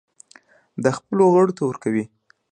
دا خپلو غړو ته ورکوي.